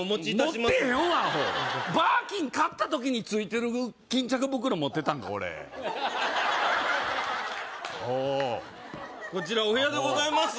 持ってへんわアホバーキン買った時についてる巾着袋持ってたんか俺アホこちらお部屋でございます